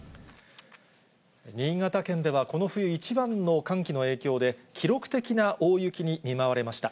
新潟県ではこの冬一番の寒気の影響で、記録的な大雪に見舞われました。